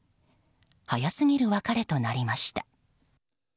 早すぎる別れとなりました。